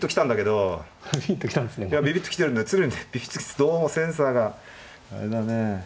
どうもセンサーがあれだね。